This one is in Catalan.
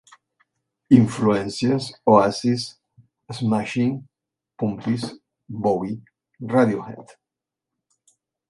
Influències: Oasis, Smashing Pumpins, Bowie, Radiohead.